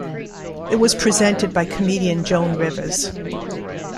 It was presented by comedian Joan Rivers.